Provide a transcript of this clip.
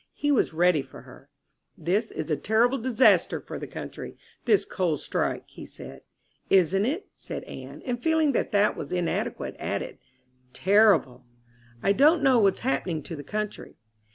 He was ready for her. "This is a terrible disaster for the country, this coal strike," he said. "Isn't it?" said Anne; and feeling that that was inadequate, added, "Terrible!" "I don't know what's happening to the country."